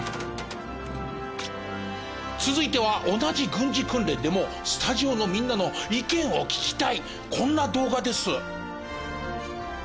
続いては同じ軍事訓練でもスタジオのみんなの意見を聞きたいこんな動画です。